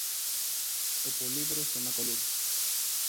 Ο Πολύδωρος τον ακολούθησε.